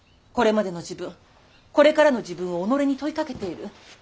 これまでの自分これからの自分を己に問いかけている。